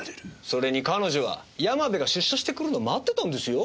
それに彼女は山部が出所してくるのを待ってたんですよ。